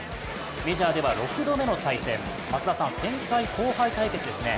メジャーでは、６度目の対戦。松田さん、先輩・後輩の対決ですね。